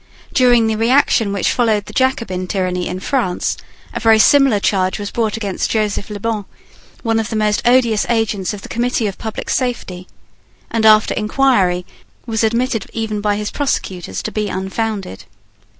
During the reaction which followed the Jacobin tyranny in France, a very similar charge was brought against Joseph Lebon, one of the most odious agents of the Committee of Public Safety, and, after enquiry, was admitted even by his prosecutors to be unfounded.